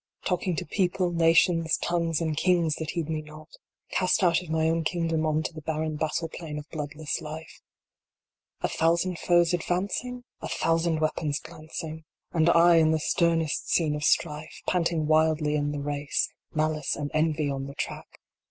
Talking to people, nations, tongues, and kings that heed me not Cast out of my own kingdom on to the barren battle plain of bloodless life. A thousand foes advancing ? A thousand weapons glancing 1 And I in the sternest scene of strife. Panting wildly in the race. Malice and Envy on the track.